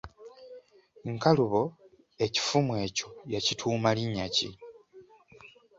Nkalubo ekifumu ekyo yakituuma linnya ki?